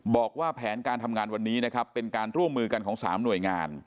บอกว่าแผนการทำงานวันนี้นะครับเป็นการร่วมมือกันของ๓หน่วยงาน